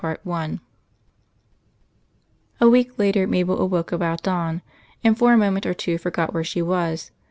CHAPTER IV I A week later Mabel awoke about dawn; and for a moment or two forgot where she was.